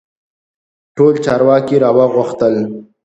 ټول چارواکي را وغوښتل.